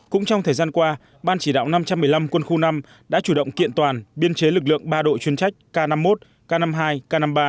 cũng trong thời gian qua ban chỉ đạo năm trăm một mươi năm quân khu năm đã chủ động kiện toàn biên chế lực lượng ba đội chuyên trách k năm mươi một k năm mươi hai k năm mươi ba